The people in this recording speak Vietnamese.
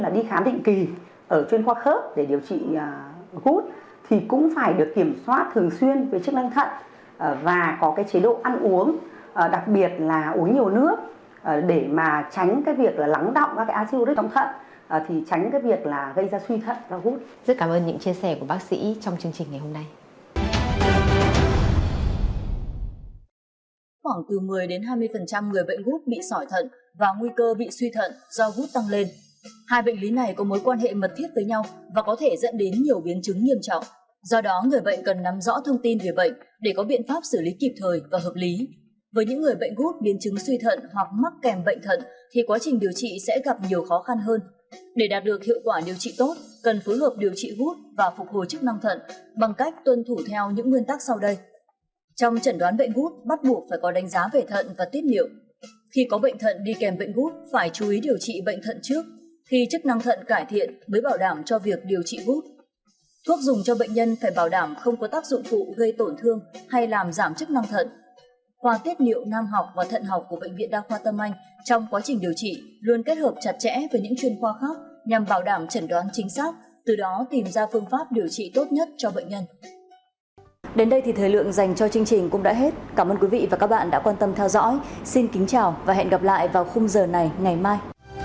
đến đây thì thời lượng dành cho chương trình cũng đã hết cảm ơn quý vị và các bạn đã quan tâm theo dõi xin kính chào và hẹn gặp lại vào khung giờ này ngày mai